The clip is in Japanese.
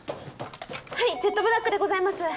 はいジェットブラックでございます